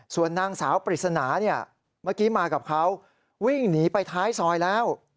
ส่วนนางสาวปริศนามากับเขาวิ่งหนีไปท้ายซอยแล้ว